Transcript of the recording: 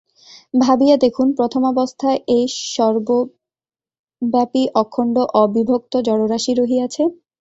ভাবিয়া দেখুন, প্রথমাবস্থায় এই সর্বব্যাপী অখণ্ড অবিভক্ত জড়রাশি রহিয়াছে।